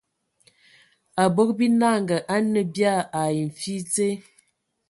Abog binanga a nə bia ai mfi dze.